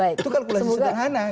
itu kalkulasi sederhana